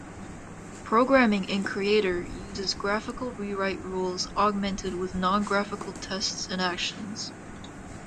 Programming in Creator uses graphical rewrite rules augmented with non-graphical tests and actions.